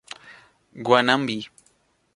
Guanambi